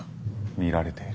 見られている。